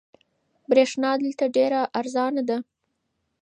برېښنا دلته ډېره ارزانه ده.